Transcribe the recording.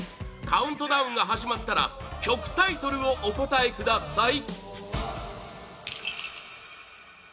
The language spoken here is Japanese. カウントダウンが始まったら曲タイトルをお答えください